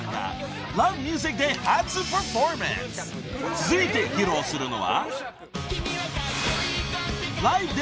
［続いて披露するのは］